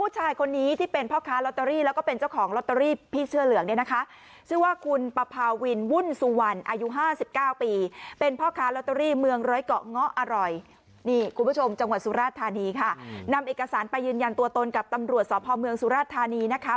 จังหวัดสุราชธานีค่ะนำเอกสารไปยืนยันตัวตนกับตำรวจสอบภอมเมืองสุราชธานีนะคะ